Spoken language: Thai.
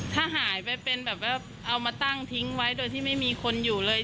ถ้าหายไปเป็นแบบว่าเอามาตั้งทิ้งไว้โดยที่ไม่มีคนอยู่เลย